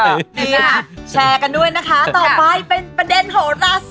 นี่แชร์กันด้วยนะคะต่อไปเป็นประเด็นโหราชซาติ